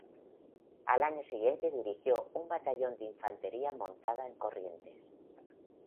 Al año siguiente dirigió un batallón de infantería montada en Corrientes.